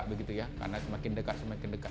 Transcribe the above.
begitu ya karena semakin dekat semakin dekat